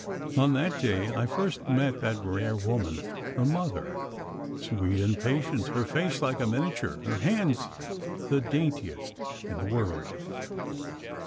On that day, I first met that rare woman, her mother, sweet and patient, her face like a miniature, her hands the daintiest in the world.